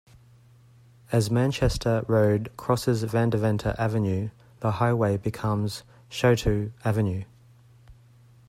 As Manchester Road crosses Vandeventer Avenue, the highway becomes Chouteau Avenue.